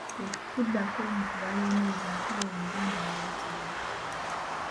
"Bwe tuddako mu kubala emyezi, ate awo Omuganda yayitirira!"